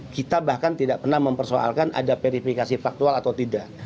kita bahkan tidak pernah mempersoalkan ada verifikasi faktual atau tidak